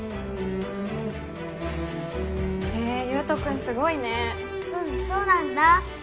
へぇゆうと君すごいうんそうなんだ。